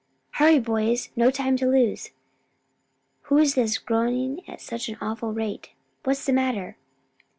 Hurry, boys, no time to lose! Who's this groaning at such an awful rate? What's the matter?"